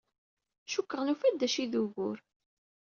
Cikkeɣ nufa-d d acu ay d ugur.